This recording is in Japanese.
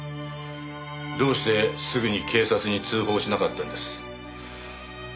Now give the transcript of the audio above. どうしてすぐに警察に通報しなかったんです？